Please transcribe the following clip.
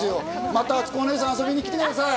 また、あつこお姉さん遊びに来てください。